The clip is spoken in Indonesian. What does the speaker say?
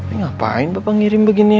eh ngapain bapak ngirim begini